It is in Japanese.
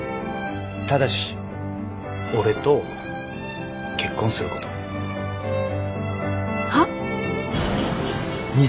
ただし俺と結婚すること。は？